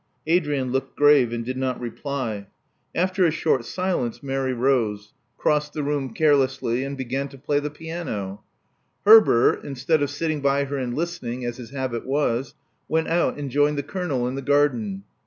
Adrian looked grave and did not reply. After a Love Among the Artists 45 short silence Mary rose; crossed the room carelessly; and began to play the piano. Herbert, instead of sitting by her and listening, as his habit was, went out and joined the Colonel in the garden.